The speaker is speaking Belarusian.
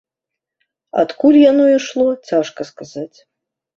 Адкуль яно ішло, цяжка сказаць.